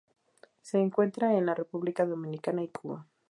Se encuentra en la República Dominicana y Cuba.